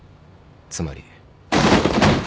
つまり。